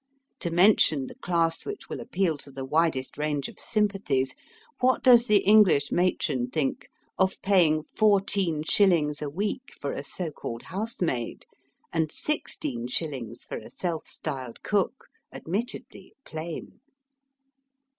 To mention the class which will appeal to the widest range of sympathies, what does the English matron think of paying fourteen shillings a week for a so called housemaid, and sixteen shillings for a self styled cook, admittedly ^^ plain"?